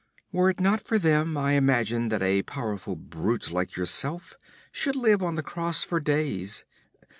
'Were it not for them, I imagine that a powerful brute like yourself should live on the cross for days.